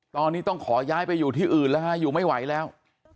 ตอนนี้ต้องขอย้ายไปอยู่ที่อื่นแล้วฮะอยู่ไม่ไหวแล้ว